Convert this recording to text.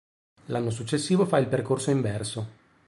L'anno successivo fa il percorso inverso.